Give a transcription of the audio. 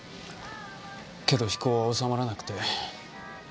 けど非行はおさまらなくて。